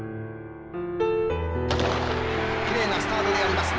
きれいなスタートであります。